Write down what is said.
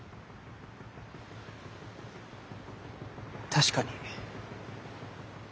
確かに。